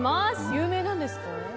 有名なんですか？